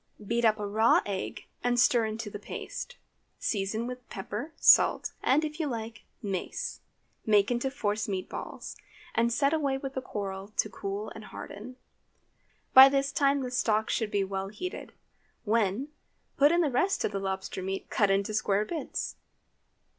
Beat up a raw egg, and stir into the paste; season with pepper, salt, and, if you like, mace; make into force meat balls, and set away with the coral to cool and harden. By this time the stock should be well heated, when, put in the rest of the lobster meat cut into square bits.